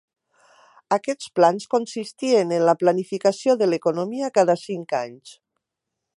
Aquests plans consistien en la planificació de l'economia cada cinc anys.